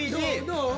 どう？